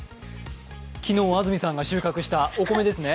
昨日、安住さんが収穫したお米ですね。